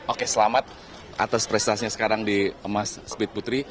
oke selamat atas prestasinya sekarang di emas speed putri